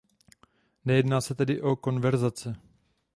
Nejedná se tedy o coververze.